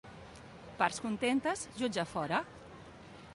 Parts contentes, jutge fora.